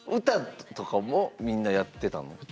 歌とかもみんなやってたの？